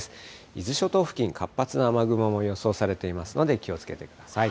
伊豆諸島付近、活発な雨雲も予想されていますので気をつけてください。